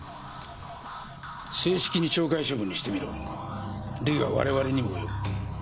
正式に懲戒処分にしてみろ累は我々にもおよぶ。